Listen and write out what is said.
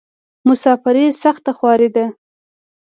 مسافري سخته خواری ده.